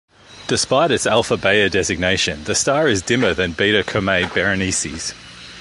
Despite its Alpha Bayer designation, the star is dimmer than Beta Comae Berenices.